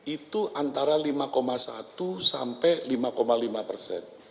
itu antara lima satu sampai lima lima persen